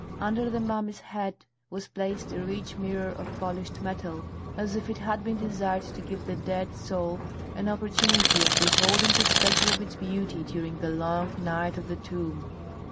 Under the mummy's head was placed a rich mirror of polished metal, as if it had been desired to give the dead soul an opportunity of beholding the spectre of its beauty during the long night of the tomb.